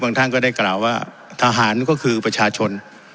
ท่านก็ได้กล่าวว่าทหารก็คือประชาชน